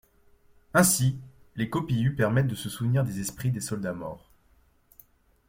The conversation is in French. Ainsi les copihues permettent de se souvenir des esprits des soldats morts.